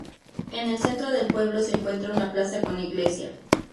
En el centro del pueblo se encuentra una plaza con iglesia.